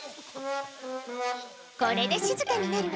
これでしずかになるわね。